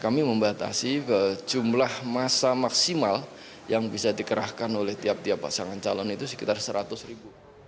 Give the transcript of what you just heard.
kami membatasi jumlah masa maksimal yang bisa dikerahkan oleh tiap tiap pasangan calon itu sekitar seratus ribu